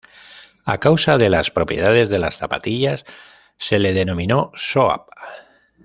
A causa de las propiedades de las zapatillas se le denominó "Soap".